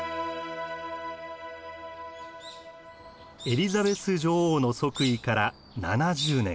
エリザベス女王の即位から７０年。